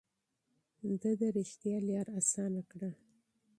ده د رښتيا لاره اسانه کړه.